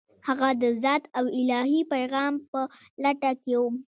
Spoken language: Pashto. هغه د ذات او الهي پیغام په لټه کې و.